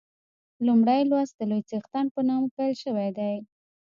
لومړی لوست د لوی څښتن په نامه پیل شوی دی.